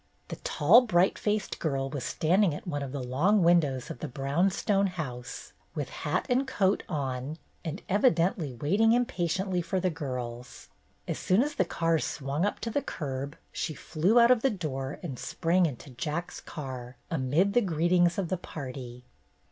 The tall, bright faced girl was standing at one of the long windows of the brown stone house, with hat and coat on, and evidently waiting impatiently for the girls. As soon as the cars swung up to the curb, she flew out of the door and sprang into Jack's car, amid the greetings of the party.